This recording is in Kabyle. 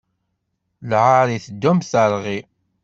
Lɛaṛ iteddu am teṛɣi.